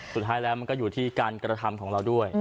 สุดท้ายแล้วมันก็อยู่ที่การกระทำของเราด้วย